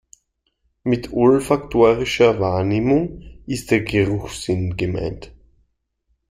Mit olfaktorischer Wahrnehmung ist der Geruchssinn gemeint.